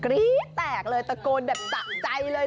กุ้นแปลกเลยตะโกนแบบสะใจเลย